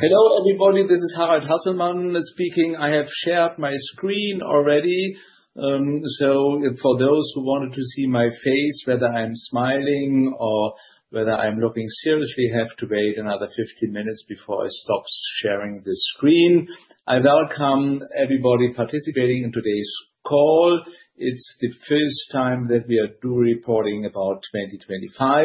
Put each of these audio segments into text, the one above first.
Hello, everybody. This is Harald Hasselmann speaking. I have shared my screen already. For those who wanted to see my face, whether I am smiling or whether I am looking seriously, you have to wait another 15 minutes before I stop sharing the screen. I welcome everybody participating in today's call. It is the first time that we are doing a reporting about 2025.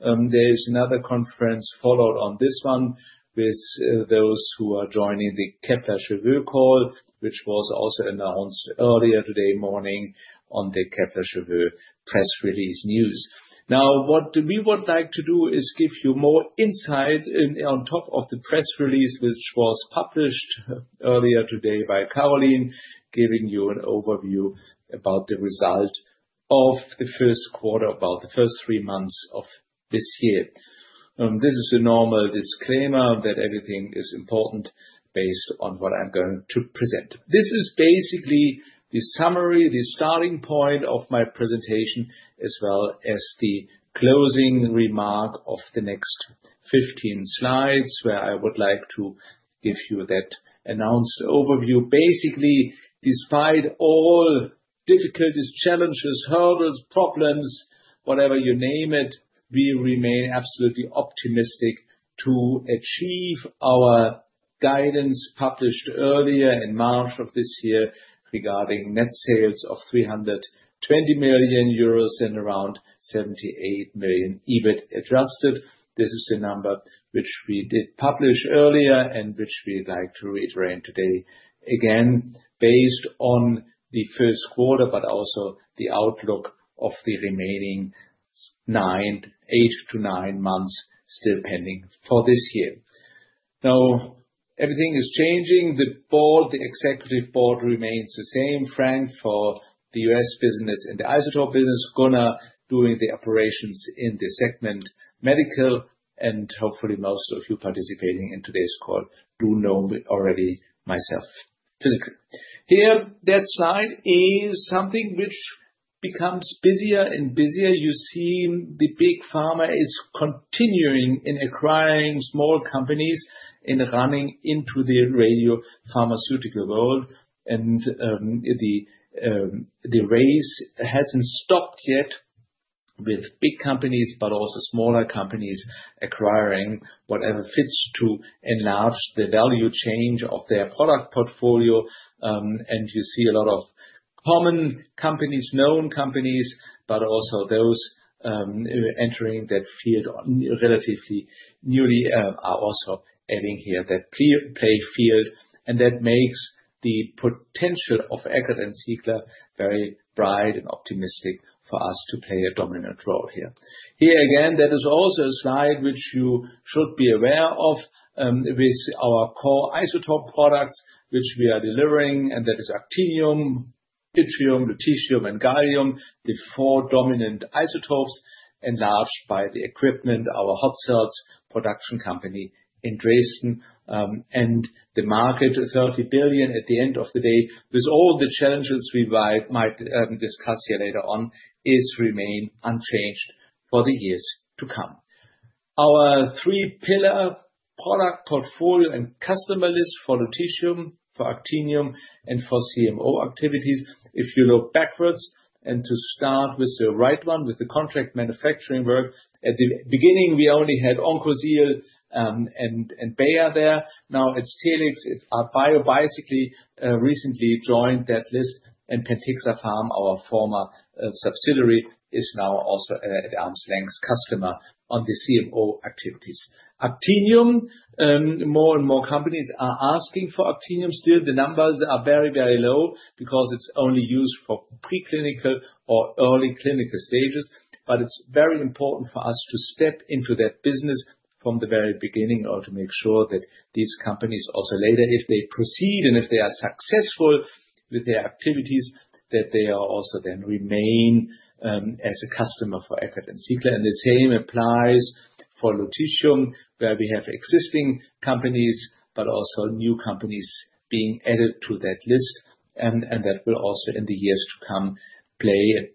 There is another conference followed on this one with those who are joining the Kepler Cheuvreux call, which was also announced earlier today morning on the Kepler Cheuvreux press release news. Now, what we would like to do is give you more insight on top of the press release, which was published earlier today by Caroline, giving you an overview about the result of the first quarter, about the first three months of this year. This is a normal disclaimer that everything is important based on what I'm going to present. This is basically the summary, the starting point of my presentation, as well as the closing remark of the next 15 slides, where I would like to give you that announced overview. Basically, despite all difficulties, challenges, hurdles, problems, whatever you name it, we remain absolutely optimistic to achieve our guidance published earlier in March of this year regarding net sales of 320 million euros and around 78 million EBIT adjusted. This is the number which we did publish earlier and which we'd like to reiterate today again based on the first quarter, but also the outlook of the remaining eight to nine months still pending for this year. Now, everything is changing. The Executive Board remains the same, Frank for the U.S. business and the isotope business, Gunnar doing the operations in the segment medical, and hopefully most of you participating in today's call do know me already myself physically. Here, that slide is something which becomes busier and busier. You see the big pharma is continuing in acquiring small companies and running into the radiopharmaceutical world. The race has not stopped yet with big companies, but also smaller companies acquiring whatever fits to enlarge the value chain of their product portfolio. You see a lot of common companies, known companies, but also those entering that field relatively newly are also adding here that play field. That makes the potential of Eckert & Ziegler very bright and optimistic for us to play a dominant role here. Here again, that is also a slide which you should be aware of with our core isotope products, which we are delivering, and that is actinium, yttrium, lutetium, and gallium, the four dominant isotopes enlarged by the equipment, our hot cells production company in Dresden. The market, 30 billion at the end of the day, with all the challenges we might discuss here later on, has remained unchanged for the years to come. Our three-pillar product portfolio and customer list for lutetium, for actinium, and for CMO activities, if you look backwards and to start with the right one with the contract manufacturing work, at the beginning, we only had Oncosil and Bayer there. Now it is Telix, it is Bicycle recently joined that list, and Pentixapharm, our former subsidiary, is now also an arm's length customer on the CMO activities. Actinium, more and more companies are asking for actinium still. The numbers are very, very low because it's only used for preclinical or early clinical stages, but it's very important for us to step into that business from the very beginning or to make sure that these companies also later, if they proceed and if they are successful with their activities, that they also then remain as a customer for Eckert & Ziegler. The same applies for lutetium, where we have existing companies, but also new companies being added to that list. That will also in the years to come play a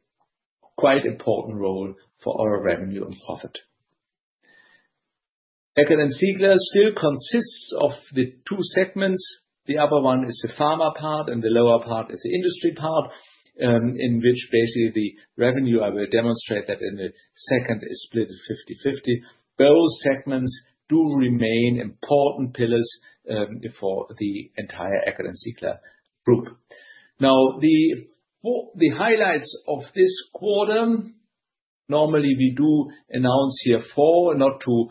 quite important role for our revenue and profit. Eckert & Ziegler still consists of the two segments. The upper one is the pharma part, and the lower part is the industry part, in which basically the revenue, I will demonstrate that in a second, is split 50/50. Those segments do remain important pillars for the entire Eckert & Ziegler group. Now, the highlights of this quarter, normally we do announce here four, not to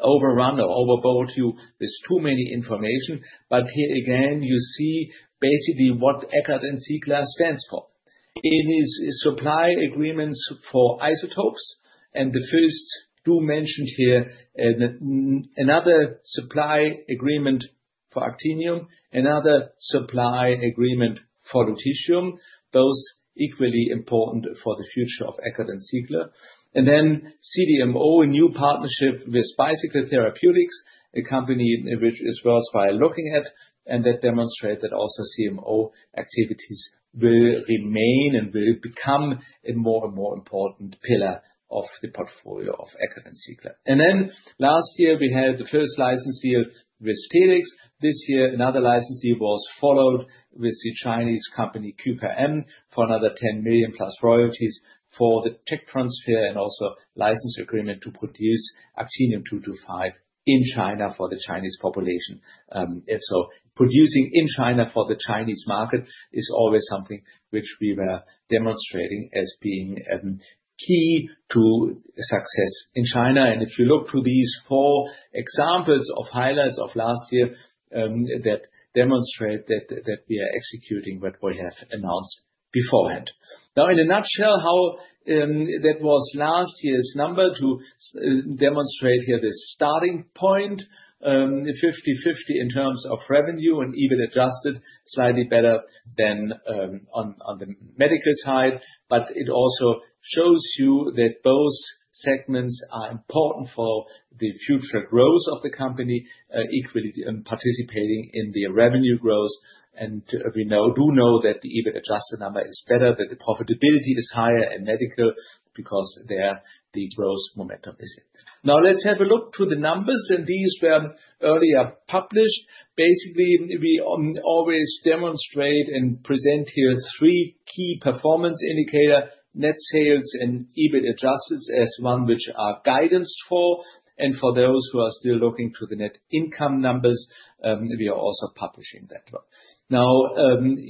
overrun or overboard you with too many information, but here again, you see basically what Eckert & Ziegler stands for. It is supply agreements for isotopes, and the first two mentioned here, another supply agreement for actinium, another supply agreement for lutetium, both equally important for the future of Eckert & Ziegler. Then CDMO, a new partnership with Bicycle Therapeutics, a company which is worthwhile looking at, and that demonstrates that also CMO activities will remain and will become a more and more important pillar of the portfolio of Eckert & Ziegler. Last year, we had the first license deal with Telix. This year, another license deal was followed with the Chinese company QKM for another 10 million plus royalties for the tech transfer and also license agreement to produce actinium-225 in China for the Chinese population. Producing in China for the Chinese market is always something which we were demonstrating as being key to success in China. If you look to these four examples of highlights of last year, that demonstrate that we are executing what we have announced beforehand. Now, in a nutshell, how that was last year's number to demonstrate here the starting point, 50/50 in terms of revenue and even adjusted slightly better than on the medical side, but it also shows you that both segments are important for the future growth of the company, equally participating in the revenue growth. We do know that the EBIT adjusted number is better, that the profitability is higher in medical because there the growth momentum is it. Now, let's have a look to the numbers, and these were earlier published. Basically, we always demonstrate and present here three key performance indicators, net sales and EBIT adjusted as one which are guidance for. For those who are still looking to the net income numbers, we are also publishing that.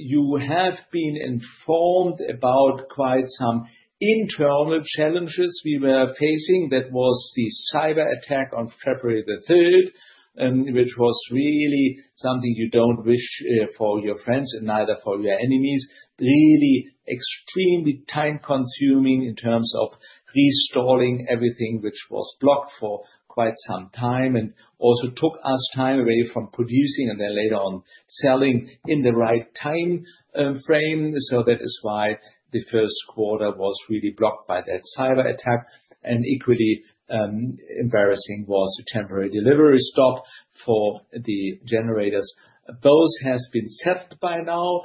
You have been informed about quite some internal challenges we were facing. That was the cyber attack on February the 3rd, which was really something you do not wish for your friends and neither for your enemies. Really extremely time-consuming in terms of restoring everything which was blocked for quite some time and also took us time away from producing and then later on selling in the right time frame. That is why the first quarter was really blocked by that cyber attack. Equally embarrassing was the temporary delivery stop for the generators. Both have been set by now,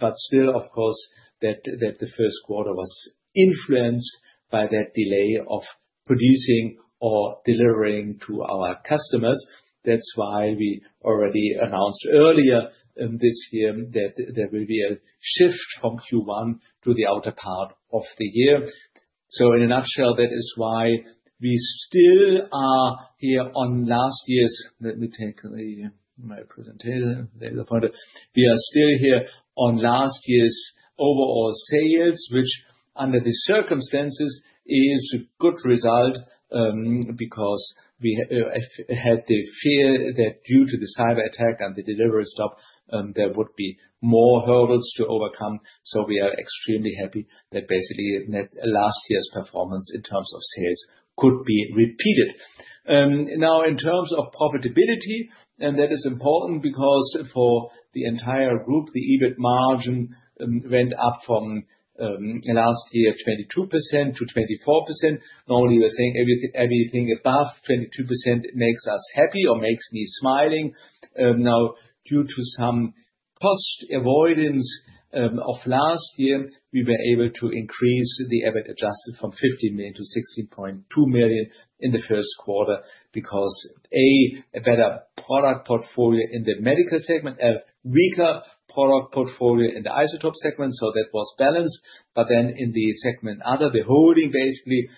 but still, of course, the first quarter was influenced by that delay of producing or delivering to our customers. That is why we already announced earlier this year that there will be a shift from Q1 to the outer part of the year. In a nutshell, that is why we still are here on last year's—let me take my presentation later on. We are still here on last year's overall sales, which under the circumstances is a good result because we had the fear that due to the cyber attack and the delivery stop, there would be more hurdles to overcome. We are extremely happy that basically last year's performance in terms of sales could be repeated. In terms of profitability, that is important because for the entire group, the EBIT margin went up from last year 22% to 24%. Normally, we're saying everything above 22% makes us happy or makes me smiling. Due to some cost avoidance of last year, we were able to increase the EBIT adjusted from 15 million to 16.2 million in the first quarter because, A, a better product portfolio in the medical segment, a weaker product portfolio in the isotope segment. That was balanced. In the segment, under the holding, basically,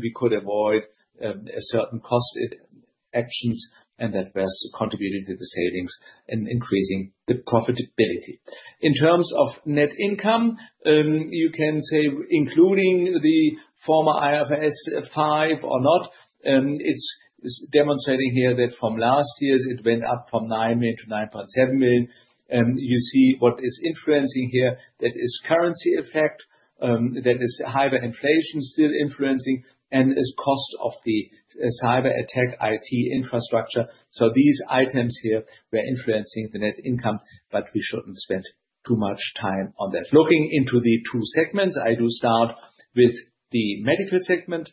we could avoid certain cost actions, and that was contributing to the savings and increasing the profitability. In terms of net income, you can say including the former IFRS 5 or not, it's demonstrating here that from last year's, it went up from 9 million to 9.7 million. You see what is influencing here, that is currency effect, that is hyperinflation still influencing, and it's cost of the cyber attack IT infrastructure. These items here were influencing the net income, but we shouldn't spend too much time on that. Looking into the two segments, I do start with the medical segment.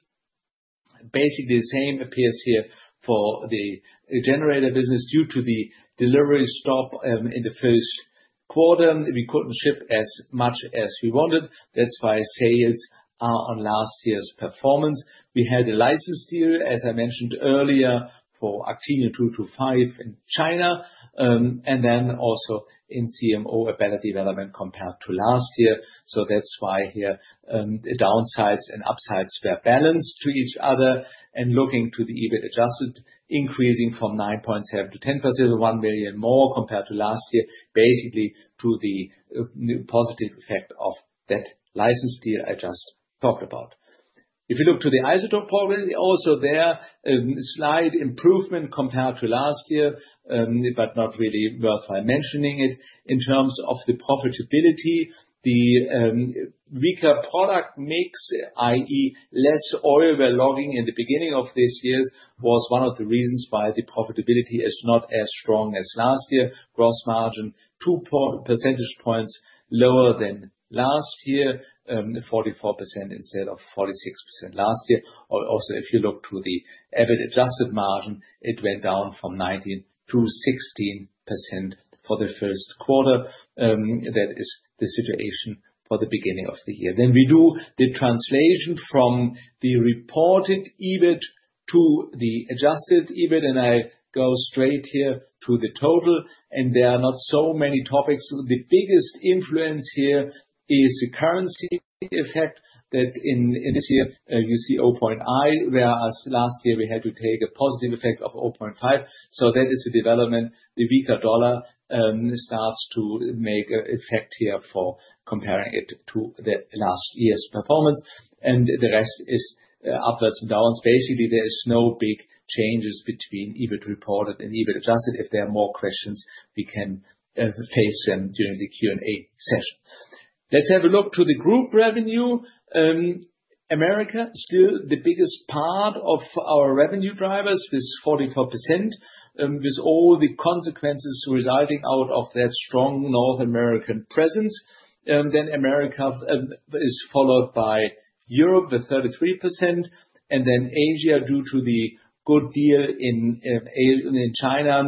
Basically, the same appears here for the generator business. Due to the delivery stop in the first quarter, we couldn't ship as much as we wanted. That's why sales are on last year's performance. We had a license deal, as I mentioned earlier, for actinium-225 in China and then also in CMO, a better development compared to last year. That's why here the downsides and upsides were balanced to each other. Looking to the EBIT adjusted, increasing from €9.7 million to €10.7 million, €1 million more compared to last year, basically due to the positive effect of that license deal I just talked about. If you look to the isotope portfolio, also there a slight improvement compared to last year, but not really worthwhile mentioning it. In terms of the profitability, the weaker product mix, i.e., less oil we're logging in the beginning of this year, was one of the reasons why the profitability is not as strong as last year. Gross margin, two percentage points lower than last year, 44% instead of 46% last year. Also, if you look to the EBIT adjusted margin, it went down from 19% to 16% for the first quarter. That is the situation for the beginning of the year. We do the translation from the reported EBIT to the adjusted EBIT, and I go straight here to the total. There are not so many topics. The biggest influence here is the currency effect that in this year, you see 0.1, whereas last year we had to take a positive effect of 0.5. That is a development. The weaker dollar starts to make an effect here for comparing it to last year's performance. The rest is upwards and downs. Basically, there are no big changes between EBIT reported and EBIT adjusted. If there are more questions, we can face them during the Q&A session. Let's have a look to the group revenue. America is still the biggest part of our revenue drivers with 44%, with all the consequences resulting out of that strong North American presence. America is followed by Europe with 33%, and then Asia due to the good deal in China.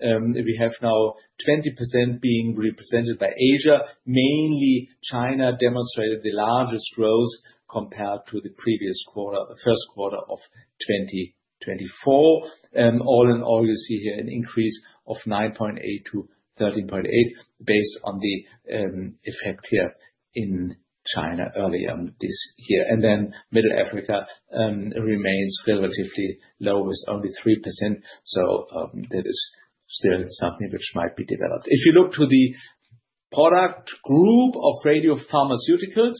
We have now 20% being represented by Asia. Mainly China demonstrated the largest growth compared to the previous quarter, the first quarter of 2024. All in all, you see here an increase of 9.8%-13.8% based on the effect here in China earlier this year. Middle East and Africa remains relatively low with only 3%. That is still something which might be developed. If you look to the product group of radiopharmaceuticals,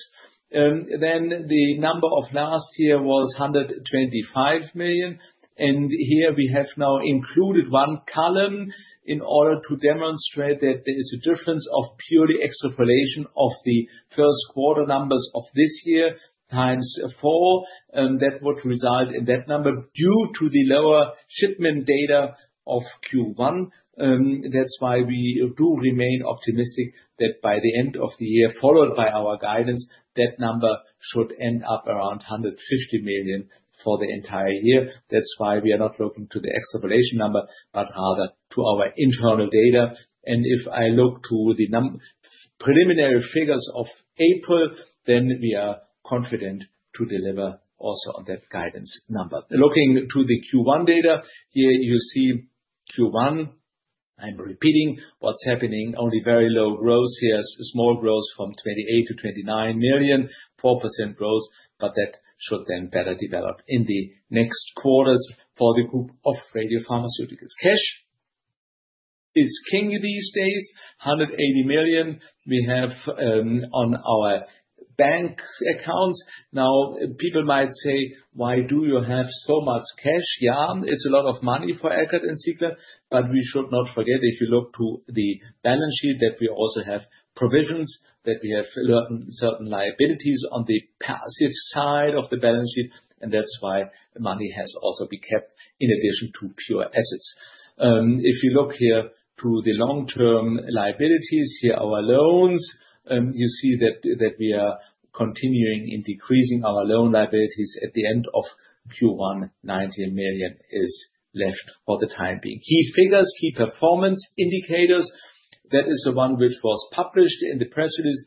then the number of last year was 125 million. Here we have now included one column in order to demonstrate that there is a difference of purely extrapolation of the first quarter numbers of this year times four. That would result in that number due to the lower shipment data of Q1. That's why we do remain optimistic that by the end of the year, followed by our guidance, that number should end up around 150 million for the entire year. That's why we are not looking to the extrapolation number, but rather to our internal data. If I look to the preliminary figures of April, then we are confident to deliver also on that guidance number. Looking to the Q1 data, here you see Q1, I'm repeating what's happening, only very low growth here, small growth from 28 million to 29 million, 4% growth, but that should then better develop in the next quarters for the group of radiopharmaceuticals. Cash is king these days, 180 million we have on our bank accounts. Now, people might say, "Why do you have so much cash?" Yeah, it's a lot of money for Eckert & Ziegler, but we should not forget, if you look to the balance sheet, that we also have provisions, that we have certain liabilities on the passive side of the balance sheet, and that's why money has also been kept in addition to pure assets. If you look here to the long-term liabilities, here are our loans. You see that we are continuing in decreasing our loan liabilities at the end of Q1. 19 million is left for the time being. Key figures, key performance indicators, that is the one which was published in the press release,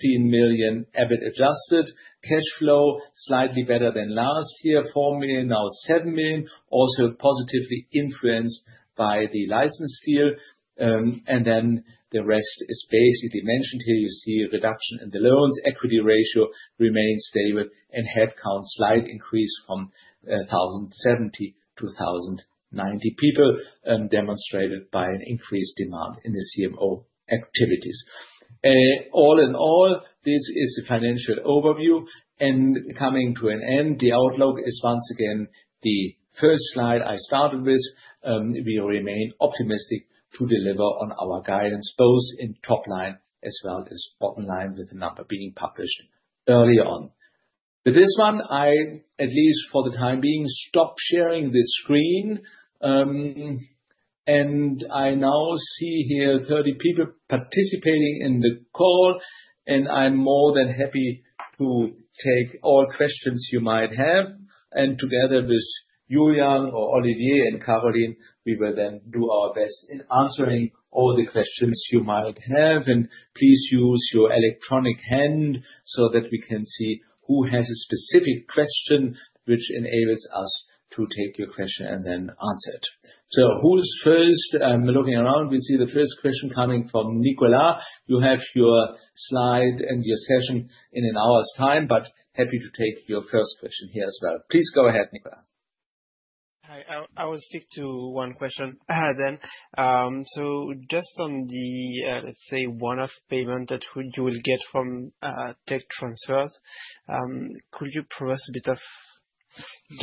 16 million EBIT adjusted. Cash flow slightly better than last year, 4 million, now 7 million, also positively influenced by the license deal. The rest is basically mentioned here. You see a reduction in the loans, equity ratio remains stable, and headcount slight increase from 1,070 to 1,090 people, demonstrated by an increased demand in the CMO activities. All in all, this is the financial overview. Coming to an end, the outlook is once again the first slide I started with. We remain optimistic to deliver on our guidance, both in top line as well as bottom line, with the number being published earlier on. With this one, I at least for the time being stopped sharing this screen. I now see here 30 people participating in the call, and I'm more than happy to take all questions you might have. Together with Julian or Olivier and Caroline, we will then do our best in answering all the questions you might have. Please use your electronic hand so that we can see who has a specific question, which enables us to take your question and then answer it. Who is first? I am looking around. We see the first question coming from Nicolas. You have your slide and your session in an hour's time, but happy to take your first question here as well. Please go ahead, Nicolas. Hi, I will stick to one question then. Just on the, let's say, one-off payment that you will get from tech transfers, could you provide us a bit of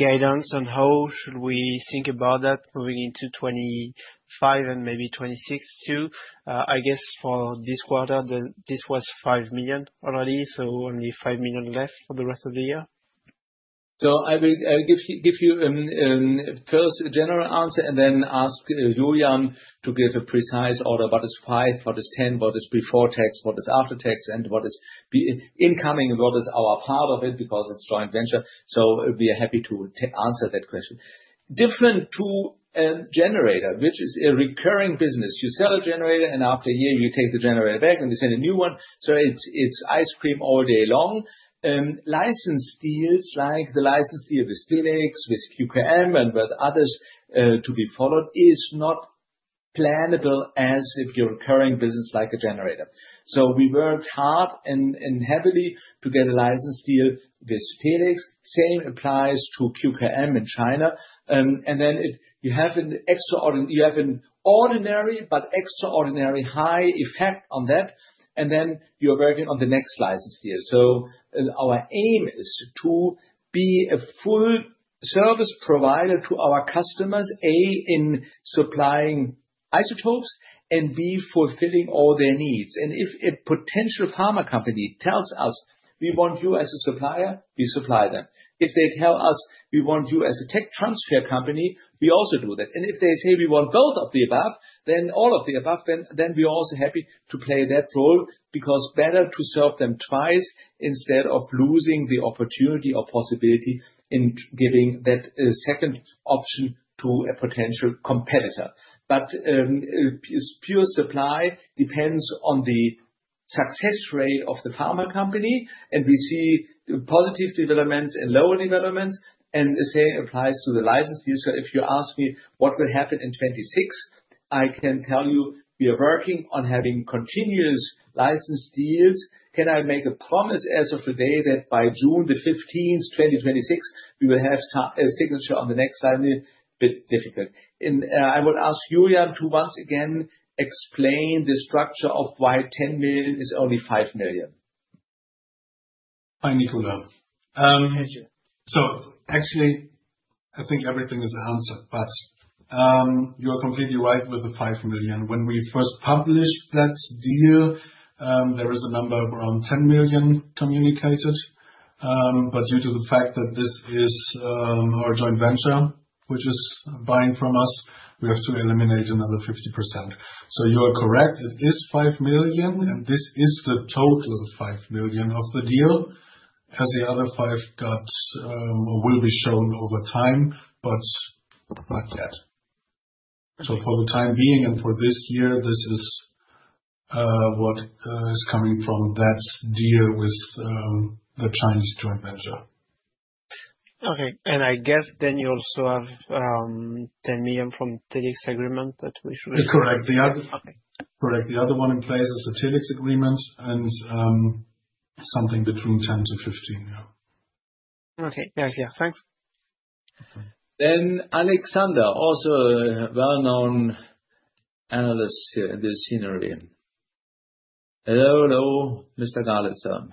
guidance on how should we think about that moving into 2025 and maybe 2026 too? I guess for this quarter, this was 5 million already, so only 5 million left for the rest of the year. I will give you first a general answer and then ask Julian to give a precise order. What is five? What is ten? What is before tax? What is after tax? And what is incoming? What is our part of it? Because it's joint venture. We are happy to answer that question. Different to a generator, which is a recurring business. You sell a generator, and after a year, you take the generator back and you send a new one. It's ice cream all day long. License deals like the license deal with Telix, with QKM, and with others to be followed is not plannable as if you're a recurring business like a generator. We worked hard and heavily to get a license deal with Telix. Same applies to QKM in China. You have an extraordinary, but extraordinary high effect on that. You are working on the next license deal. Our aim is to be a full service provider to our customers, A, in supplying isotopes, and B, fulfilling all their needs. If a potential pharma company tells us, "We want you as a supplier," we supply them. If they tell us, "We want you as a tech transfer company," we also do that. If they say, "We want both of the above," then all of the above, then we are also happy to play that role because it is better to serve them twice instead of losing the opportunity or possibility in giving that second option to a potential competitor. Pure supply depends on the success rate of the pharma company, and we see positive developments and lower developments. The same applies to the license deal. If you ask me what will happen in 2026, I can tell you we are working on having continuous license deals. Can I make a promise as of today that by June 15, 2026, we will have a signature on the next line? A bit difficult. I would ask Julian to once again explain the structure of why 10 million is only 5 million. Hi, Nicolas. Thank you. Actually, I think everything is answered, but you are completely right with the 5 million. When we first published that deal, there was a number of around 10 million communicated. Due to the fact that this is our joint venture, which is buying from us, we have to eliminate another 50%. You are correct. It is 5 million, and this is the total 5 million of the deal, as the other five got or will be shown over time, but not yet. For the time being and for this year, this is what is coming from that deal with the Chinese joint venture. Okay. I guess you also have 10 million from the Telix agreement that we should. Correct. Correct. The other one in place is a Telix agreement and something between 10-15 million. Okay. Thanks. Alexander, also a well-known analyst here in this scenery. Hello, hello, Mr. Garletson.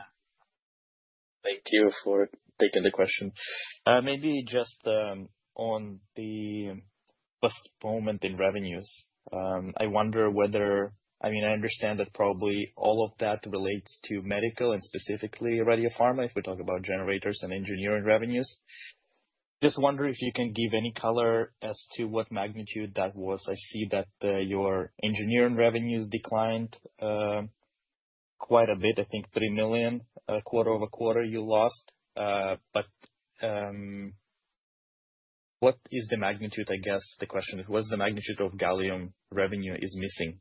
Thank you for taking the question. Maybe just on the first moment in revenues, I wonder whether, I mean, I understand that probably all of that relates to medical and specifically radiopharma, if we talk about generators and engineering revenues. Just wonder if you can give any color as to what magnitude that was. I see that your engineering revenues declined quite a bit, I think 3 million, a quarter-over-quarter you lost. What is the magnitude, I guess the question is, what is the magnitude of gallium revenue is missing?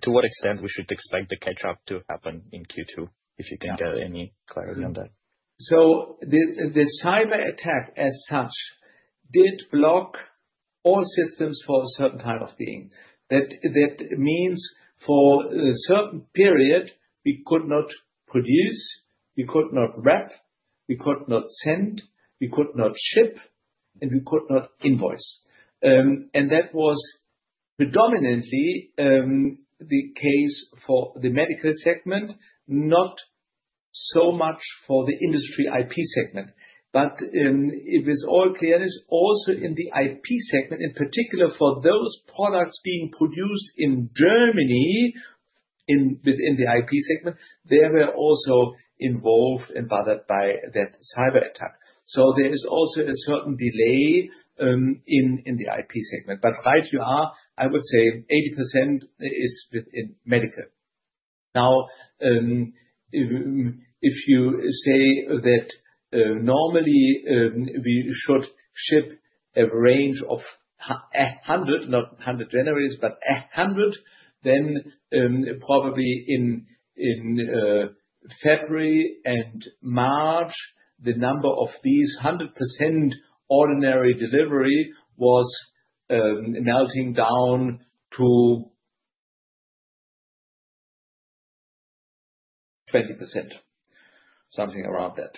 To what extent should we expect the catch-up to happen in Q2, if you can get any clarity on that? The cyber attack as such did block all systems for a certain time of being. That means for a certain period, we could not produce, we could not wrap, we could not send, we could not ship, and we could not invoice. That was predominantly the case for the medical segment, not so much for the industry IP segment. But with all clearness, also in the IP segment, in particular for those products being produced in Germany within the IP segment, they were also involved and bothered by that cyber attack. There is also a certain delay in the IP segment. Right you are, I would say 80% is within medical. Now, if you say that normally we should ship a range of 100, not 100 generators, but 100, then probably in February and March, the number of these 100% ordinary delivery was melting down to 20%, something around that.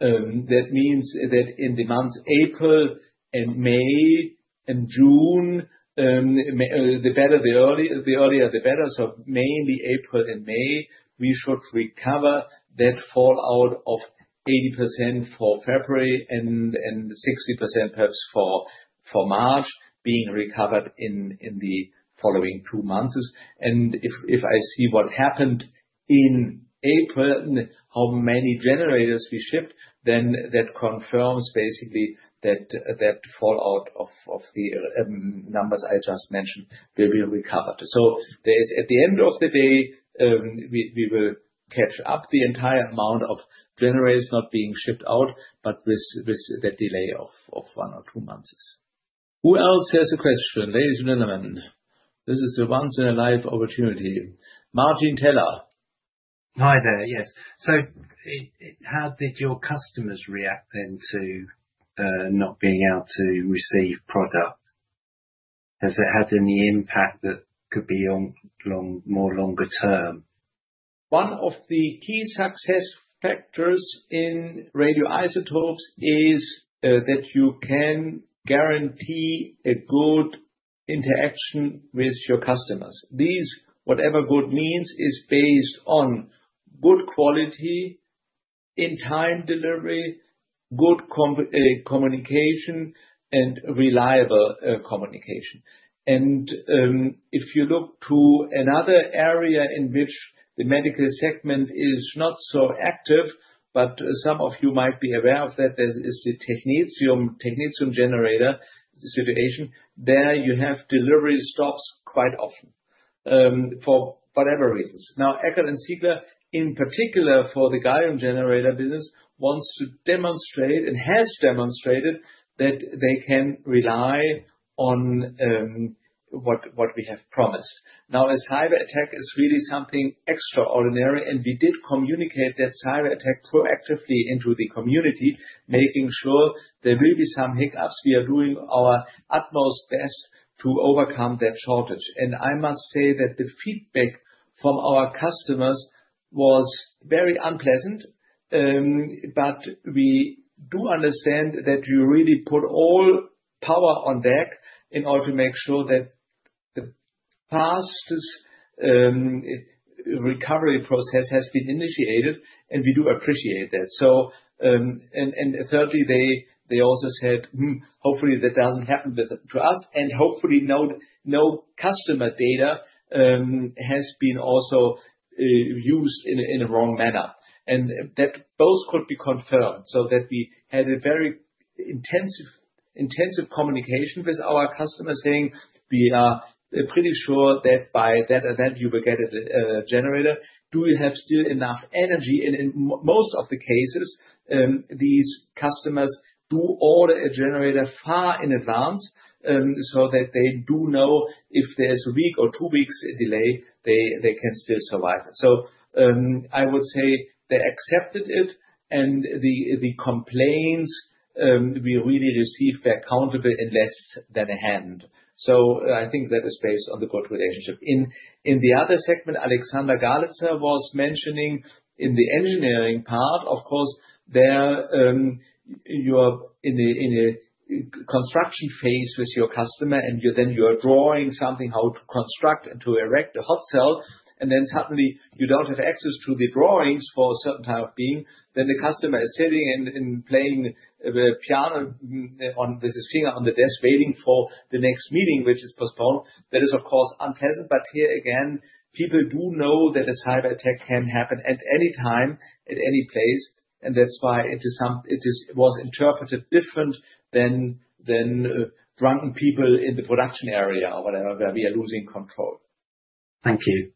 That means that in the months April and May and June, the better, the earlier, the better. Mainly April and May, we should recover that fallout of 80% for February and 60% perhaps for March being recovered in the following two months. If I see what happened in April, how many generators we shipped, that confirms basically that fallout of the numbers I just mentioned will be recovered. At the end of the day, we will catch up the entire amount of generators not being shipped out, but with that delay of one or two months. Who else has a question? Ladies and gentlemen, this is a once-in-a-life opportunity. Martin Teller. Hi there. Yes. How did your customers react then to not being able to receive product? Has it had any impact that could be more longer term? One of the key success factors in radioisotopes is that you can guarantee a good interaction with your customers. These, whatever good means, is based on good quality in time delivery, good communication, and reliable communication. If you look to another area in which the medical segment is not so active, but some of you might be aware of that, there is the technetium generator situation. There you have delivery stops quite often for whatever reasons. Now, Eckert & Ziegler, in particular for the gallium generator business, wants to demonstrate and has demonstrated that they can rely on what we have promised. A cyber attack is really something extraordinary, and we did communicate that cyber attack proactively into the community, making sure there will be some hiccups. We are doing our utmost best to overcome that shortage. I must say that the feedback from our customers was very unpleasant, but we do understand that you really put all power on deck in order to make sure that the fastest recovery process has been initiated, and we do appreciate that. Thirdly, they also said, "Hopefully, that does not happen to us." Hopefully, no customer data has been also used in a wrong manner. Both could be confirmed, so that we had a very intensive communication with our customers saying, "We are pretty sure that by that event, you will get a generator. Do you have still enough energy?" In most of the cases, these customers do order a generator far in advance so that they do know if there is a week or two weeks' delay, they can still survive it. I would say they accepted it, and the complaints we really received were countable in less than a hand. I think that is based on the good relationship. In the other segment, Alexander Garletson was mentioning in the engineering part, of course, you are in a construction phase with your customer, and then you are drawing something, how to construct and to erect a hot cell. Then suddenly, you do not have access to the drawings for a certain time of being. The customer is sitting and playing the piano with his finger on the desk, waiting for the next meeting, which is postponed. That is, of course, unpleasant. Here again, people do know that a cyber attack can happen at any time, at any place. That is why it was interpreted different than drunken people in the production area or whatever, where we are losing control. Thank you.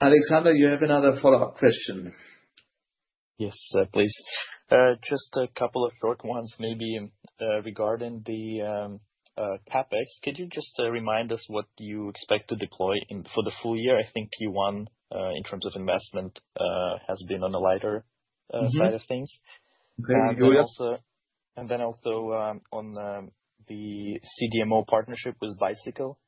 Alexander, you have another follow-up question. Yes, please. Just a couple of short ones, maybe regarding the CapEx. Could you just remind us what you expect to deploy for the full year? I think Q1, in terms of investment, has been on the lighter side of things. Also, on the CDMO partnership with Bicycle.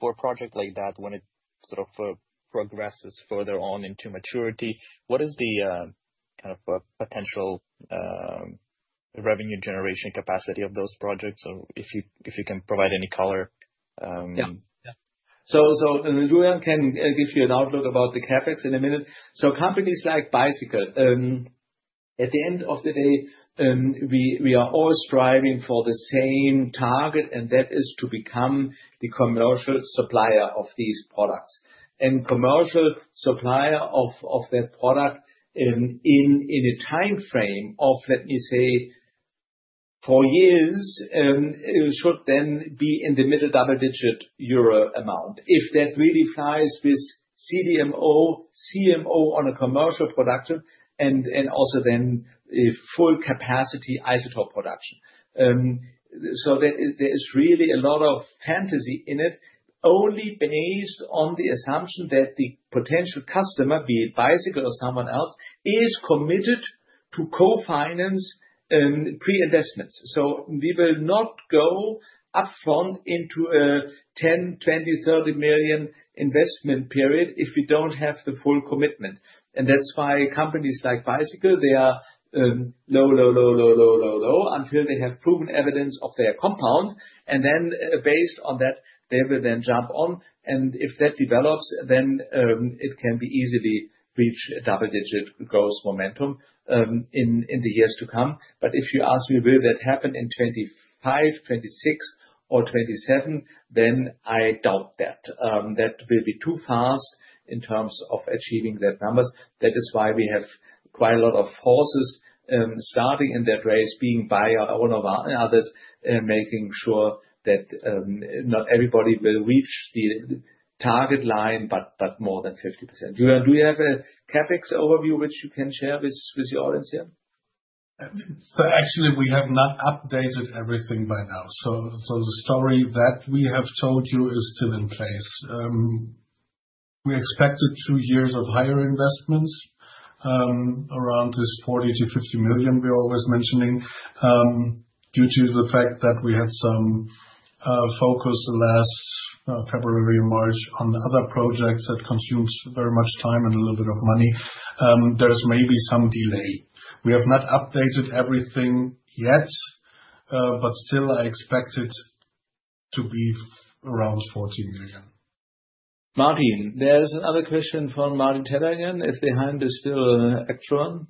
For a project like that, when it sort of progresses further on into maturity, what is the kind of potential revenue generation capacity of those projects? Or if you can provide any color. Yeah. Julian can give you an outlook about the CapEx in a minute. Companies like Bicycle. At the end of the day, we are all striving for the same target, and that is to become the commercial supplier of these products. Commercial supplier of that product in a timeframe of, let me say, four years should then be in the middle double-digit EUR amount. If that really flies with CDMO, CMO on a commercial production, and also then full capacity isotope production. There is really a lot of fantasy in it, only based on the assumption that the potential customer, be it Bicycle or someone else, is committed to co-finance pre-investments. We will not go upfront into a 10, 20, 30 million investment period if we do not have the full commitment. That is why companies like Bicycle, they are low, low, low, low, low, low, low until they have proven evidence of their compound. Then based on that, they will then jump on. If that develops, then it can be easily reached a double-digit growth momentum in the years to come. If you ask me, will that happen in 2025, 2026, or 2027, I doubt that. That will be too fast in terms of achieving that numbers. That is why we have quite a lot of horses starting in that race, being by our own and others, making sure that not everybody will reach the target line, but more than 50%. Julian, do you have a CapEx overview which you can share with your audience here? Actually, we have not updated everything by now. The story that we have told you is still in place. We expected two years of higher investments around 40 million-50 million we were always mentioning due to the fact that we had some focus last February and March on other projects that consumed very much time and a little bit of money. There is maybe some delay. We have not updated everything yet, but still, I expect it to be around 40 million. Martin, there is another question from Martin Teller again. If the hand is still extra one.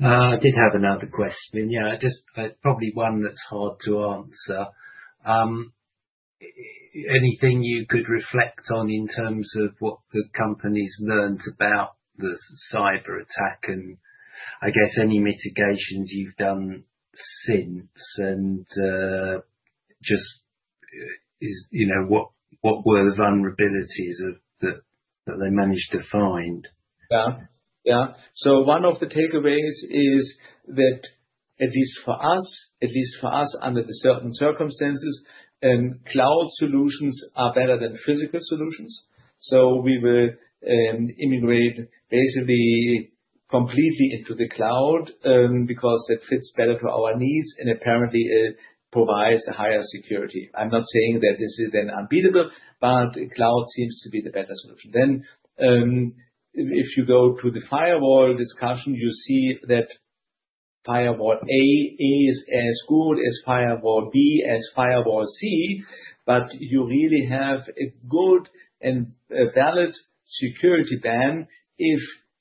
I did have another question. Yeah, probably one that's hard to answer. Anything you could reflect on in terms of what the company's learned about the cyber attack and, I guess, any mitigations you've done since and just what were the vulnerabilities that they managed to find? Yeah. One of the takeaways is that, at least for us, under the certain circumstances, cloud solutions are better than physical solutions. We will immigrate basically completely into the cloud because it fits better to our needs and apparently provides a higher security. I'm not saying that this is then unbeatable, but cloud seems to be the better solution. If you go to the firewall discussion, you see that firewall A is as good as firewall B, as firewall C, but you really have a good and valid security band if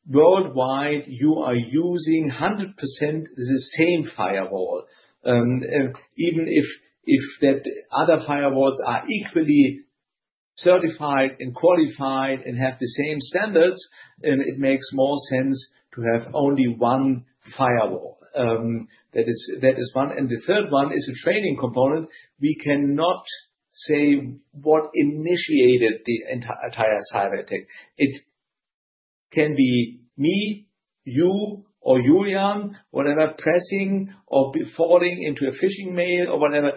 worldwide you are using 100% the same firewall. Even if other firewalls are equally certified and qualified and have the same standards, it makes more sense to have only one firewall. That is one. The third one is a training component. We cannot say what initiated the entire cyber attack. It can be me, you, or Julian, whatever, pressing or falling into a phishing mail or whatever.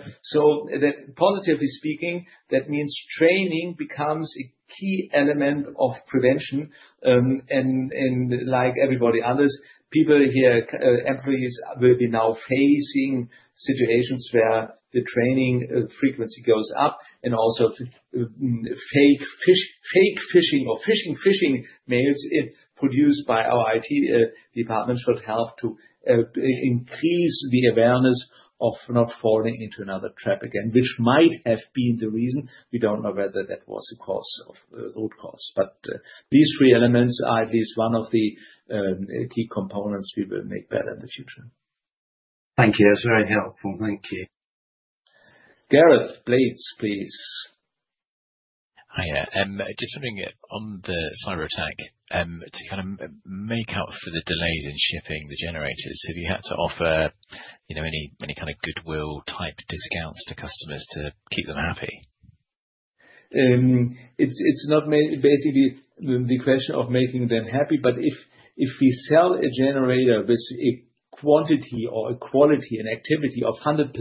Positively speaking, that means training becomes a key element of prevention. Like everybody else, people here, employees, will be now facing situations where the training frequency goes up. Also, fake phishing or phishing mails produced by our IT department should help to increase the awareness of not falling into another trap again, which might have been the reason. We do not know whether that was the cause of the root cause. These three elements are at least one of the key components we will make better in the future. Thank you. That is very helpful. Thank you. Gareth Blades, please. Hi. Just wondering on the cyber attack, to kind of make out for the delays in shipping the generators, have you had to offer any kind of goodwill-type discounts to customers to keep them happy? It's not basically the question of making them happy, but if we sell a generator with a quantity or a quality and activity of 100%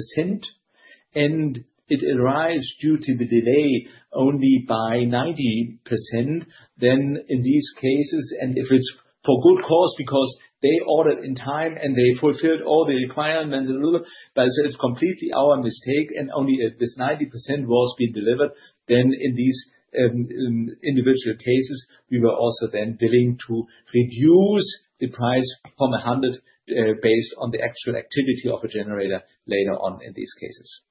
and it arrives due to the delay only by 90%, then in these cases, and if it's for good cause because they ordered in time and they fulfilled all the requirements and all, but it's completely our mistake and only this 90% was being delivered, then in these individual cases, we were also then willing to reduce the price from 100% based on the actual activity of a generator later on in these cases.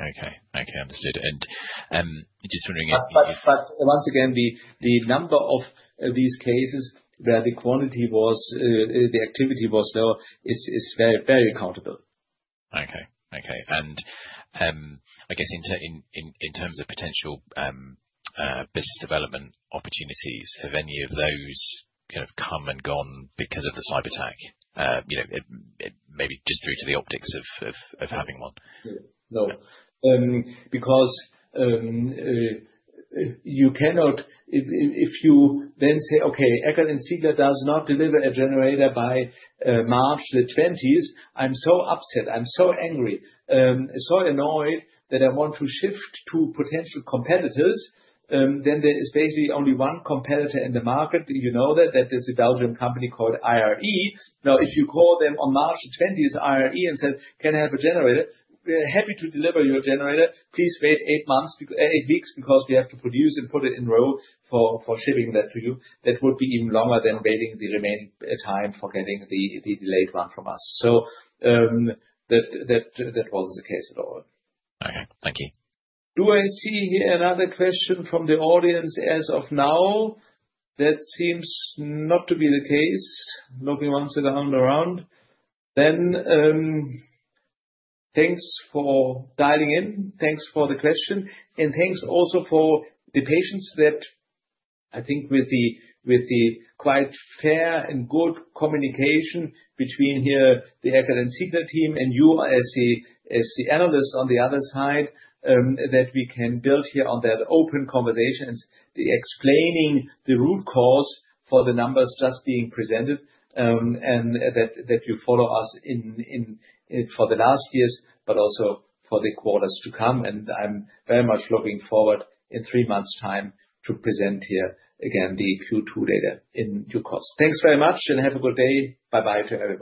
Okay. Okay. Understood. Just wondering if you could. Once again, the number of these cases where the quantity was, the activity was low is very countable. Okay. Okay. I guess in terms of potential business development opportunities, have any of those kind of come and gone because of the cyber attack? Maybe just through to the optics of having one. No. Because you cannot if you then say, "Okay, Eckert & Ziegler does not deliver a generator by March 20, I'm so upset. I'm so angry, so annoyed that I want to shift to potential competitors," then there is basically only one competitor in the market. You know that there's a Belgian company called IRE. Now, if you call them on March 20, IRE, and said, "Can I have a generator?" "We're happy to deliver your generator. Please wait eight weeks because we have to produce and put it in row for shipping that to you." That would be even longer than waiting the remaining time for getting the delayed run from us. That was not the case at all. Okay. Thank you. Do I see here another question from the audience as of now? That seems not to be the case. Nobody wants to come around. Thanks for dialing in. Thanks for the question. Thanks also for the patience. I think with the quite fair and good communication between the Eckert & Ziegler team here and you as the analyst on the other side, we can build on that open conversation, explaining the root cause for the numbers just being presented and that you follow us for the last years, but also for the quarters to come. I am very much looking forward in three months' time to present here again the Q2 data in due course. Thanks very much and have a good day. Bye-bye to everyone.